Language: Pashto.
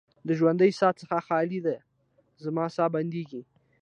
د ژوندۍ ساه څخه خالي ده، زما ساه بندیږې